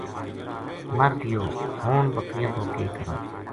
مر گیو ہون بکریاں کو کے کراں